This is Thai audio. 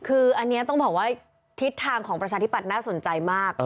คืออันนี้ต้องบอกว่าทิศทางของประชาธิบัตย์น่าสนใจมาก